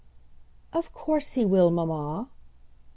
"Of course he will, mamma."